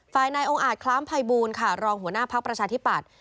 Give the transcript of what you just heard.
ฝ่ายนายองอาจคล้ามไพบูลค่ะรองหัวหน้าภักดิ์ประชาธิบัติ